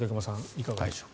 いかがでしょう。